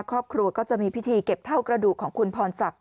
ครอบครัวก็จะมีพิธีเก็บเท่ากระดูกของคุณพรศักดิ